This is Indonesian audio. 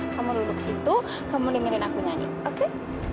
kamu duduk di situ kamu dengerin aku nyanyi oke